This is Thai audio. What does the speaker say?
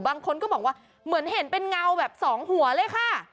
บางคนก็บอกว่าเหมือนเห็นเป็นเงาแบบสองหัวเลยค่ะ